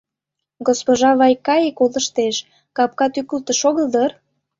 Госпожа Вайкаи колыштеш: капка тӱкылтыш огыл дыр?